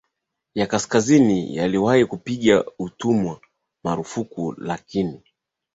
ya kaskazini yaliwahi kupiga utumwa marufuku lakini